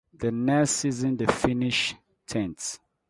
The next season, they finished tenth.